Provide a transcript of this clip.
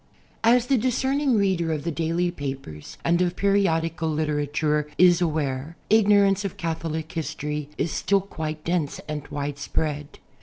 D. AS the discerning reader of the daily papers and of periodical literature is aware ignorance of Catholic history is still quite dense and widespread.